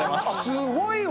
すごいわ。